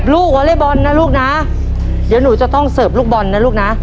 วอเล็กบอลนะลูกนะเดี๋ยวหนูจะต้องเสิร์ฟลูกบอลนะลูกนะ